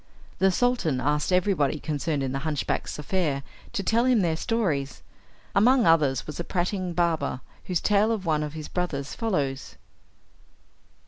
The Sultan asked everybody concerned in the hunchback's affair to tell him their stories. Among others was a prating barber, whose tale of one of his brothers follows.